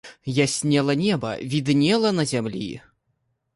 Яснела неба, віднела на зямлі.